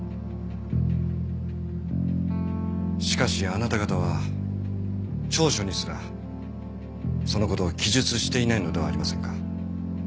しかしあなた方は調書にすらその事を記述していないのではありませんか。